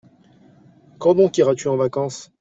Quand donc iras-tu en vacances ?